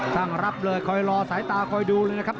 ตั้งรับเลยคอยรอสายตาคอยดูเลยนะครับ